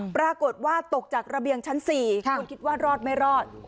ปรากฏว่าตกจากระเบียงชั้น๔คุณคิดว่ารอดไม่รอด